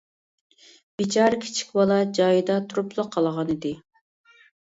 بىچارە كىچىك بالا جايىدا تۇرۇپلا قالغانىدى.